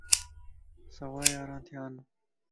سوا ياران ٿيان